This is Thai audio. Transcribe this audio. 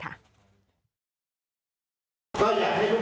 ก็อยากให้ทุกนั้นได้ถือปฏิบัติอย่างนี้ตลอดไป